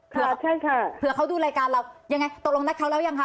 เผื่อใช่ค่ะเผื่อเขาดูรายการเรายังไงตกลงนัดเขาแล้วยังคะ